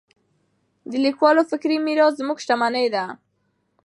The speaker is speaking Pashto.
د لیکوالو فکري میراث زموږ شتمني ده.